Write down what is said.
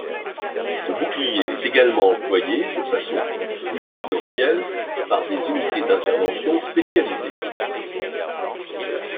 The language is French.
Le bouclier est également employé de façon plus confidentielle par des unités d'intervention spécialisées.